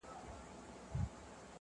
مجبوره یې په دې دریو شپو کي